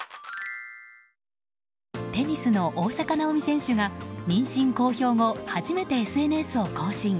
テニスの大坂なおみ選手が妊娠公表後、初めてＳＮＳを更新。